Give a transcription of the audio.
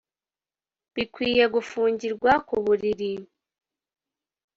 bikwiye gufungirwa ku buriri!